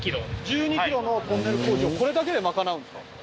１２キロのトンネル工事をこれだけで賄うんですか？